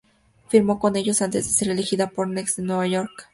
Firmó con ellos antes de ser elegida por Next en Nueva York.